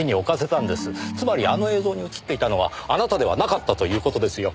つまりあの映像に映っていたのはあなたではなかったという事ですよ。